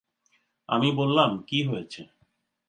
আমি বললাম, কী হয়েছে?